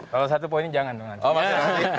salah satu poinnya jangan dong